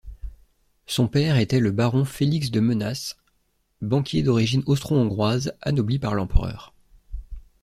Son père était le baron Félix de Menasce, banquier d'origine austro-hongroise anobli par l'empereur.